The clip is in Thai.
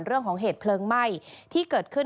เรื่องของเหตุเพลิงไหม้ที่เกิดขึ้น